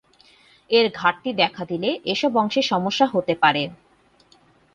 এর ঘাটতি দেখা দিলে এসব অংশে সমস্যা হতে পারে।